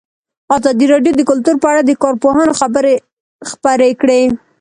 ازادي راډیو د کلتور په اړه د کارپوهانو خبرې خپرې کړي.